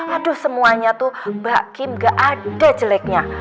aduh semuanya tuh bak kim gak ada jeleknya